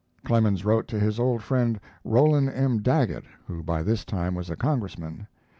Clemens wrote to his old friend Rollin M. Daggett, who by this time was a Congressman.